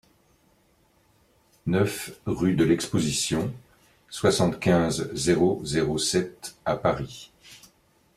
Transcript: neuf rue de l'Exposition, soixante-quinze, zéro zéro sept à Paris